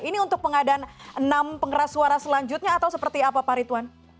ini untuk pengadaan enam pengeras suara selanjutnya atau seperti apa pak ritwan